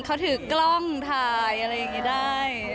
เขาถือกล้องถ่ายอะไรอย่างนี้ได้